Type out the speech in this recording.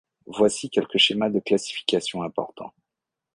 Voici quelques schémas de classification importants.